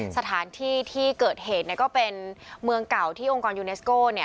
สถานที่ที่เกิดเหตุก็เป็นเมืองเก่าที่องค์กรยูเนสโก้